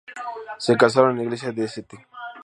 Se casaron en la iglesia de St.